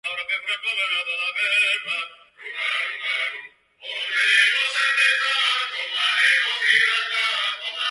Salmonellosia ekiditeko modurik bada.